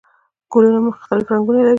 ګلونه مختلف رنګونه لري